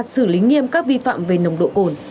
xử lý nghiêm các vi phạm về nồng độ cồn